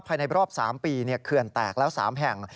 ภายในรอบ๓ปีเขื่อนแตกแล้ว๓แห่ง